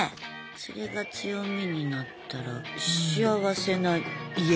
それが強みになったら幸せな家になるよね。